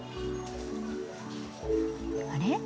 あれ？